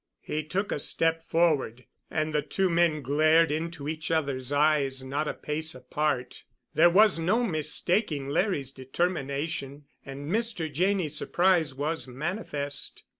He took a step forward, and the two men glared into each other's eyes not a pace apart. There was no mistaking Larry's determination, and Mr. Janney's surprise was manifest.